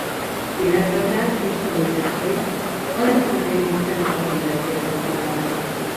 Életrajzát és tanításait Alexandriai Szent Atanáz jegyezte le.